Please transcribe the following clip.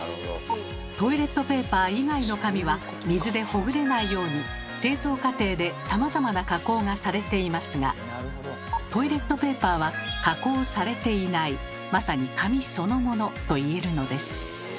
トイレットペーパー以外の紙は水でほぐれないように製造過程でさまざまな加工がされていますがトイレットペーパーは加工されていないまさに紙そのものと言えるのです。